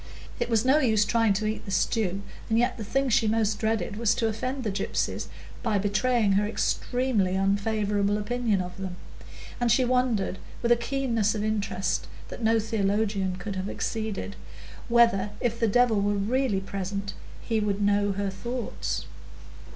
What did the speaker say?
It was no use trying to eat the stew, and yet the thing she most dreaded was to offend the gypsies, by betraying her extremely unfavourable opinion of them; and she wondered, with a keenness of interest that no theologian could have exceeded, whether, if the Devil were really present, he would know her thoughts.